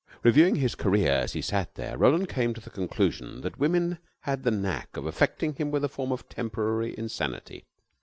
Reviewing his career, as he sat there, Roland came to the conclusion that women had the knack of affecting him with a form of temporary insanity.